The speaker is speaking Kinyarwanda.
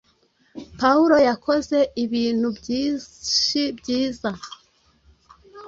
Pawulo yakoze ibintu byinshi byiza.